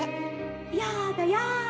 「やだやだ。